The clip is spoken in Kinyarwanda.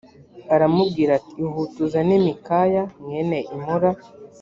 aramubwira ati ihute uzane mikaya mwene imula